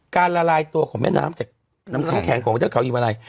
ละลายตัวของแม่น้ำจากน้ำแข็งของเทือกเขายิวาลัย